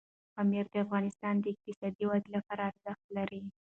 پامیر د افغانستان د اقتصادي ودې لپاره ارزښت لري.